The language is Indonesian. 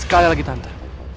sekali lagi tante